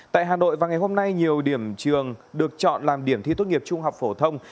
tại hà nội và ngày hôm nay nhiều điểm trường được chọn làm điểm thi tốt nghiệp trung học phổ thông